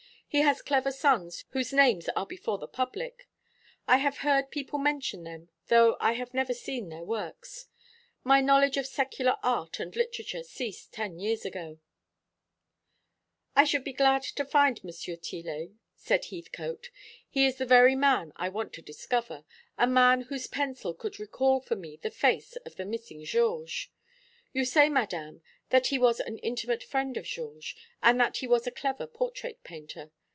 He has clever sons whose names are before the public. I have heard people mention them, though I have never seen their works. My knowledge of secular art and literature ceased ten years ago." "I should be glad to find M. Tillet," said Heathcote. "He is the very man I want to discover a man whose pencil could recall for me the face of the missing Georges. You say, Madame, that he was an intimate friend of Georges, and that he was a clever portrait painter.